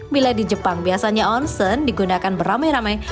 bila di jepang biasanya onsen digunakan beramai ramai